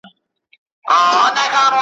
اور د میني بل نه وي بورا نه وي `